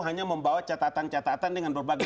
hanya membawa catatan catatan dengan berbagai